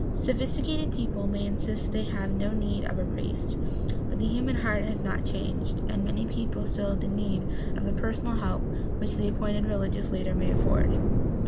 Sophisticated people may insist that they have no need of a priest, but the human heart has not changed, and many people still have need of the personal help which the appointed religious leader may afford.